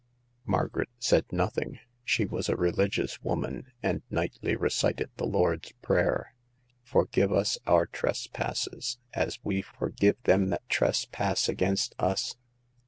Margaret said nothing. She was a religious woman, and nightly recited the Lord's Prayer ;Forgive us our trespasses, as we forgive them that trespass against us."